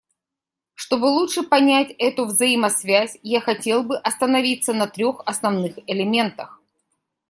Чтобы лучше понять эту взаимосвязь, я хотел бы остановиться на трех основных элементах.